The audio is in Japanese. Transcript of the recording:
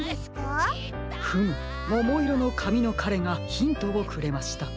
フムももいろのかみのかれがヒントをくれました。